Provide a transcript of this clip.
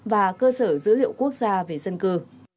và cơ sở dữ liệu quốc gia về dân cư